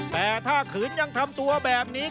แต่ถ้าขืนยังทำตัวแบบนี้